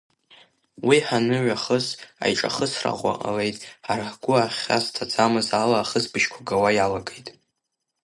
Уи ҳаныҩахыс, аиҿахысра ӷәӷәа ҟалеит, ҳара ҳгәы ахьазҭаӡамыз ала ахысыбжьқәа гауа иалагеит.